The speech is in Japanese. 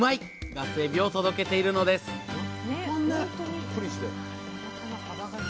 ガスエビを届けているのですうわ